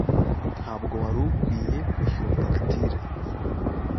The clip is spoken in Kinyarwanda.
Ntabwo wari ukwiye kwishyura fagitire.